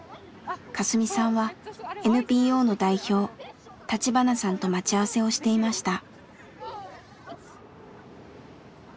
カスミさんはＮＰＯの代表橘さんと待ち合わせをしていました。